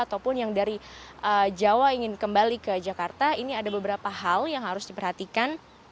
ataupun yang dari jawa ingin kembali ke jakarta ini ada beberapa hal yang harus diperhatikan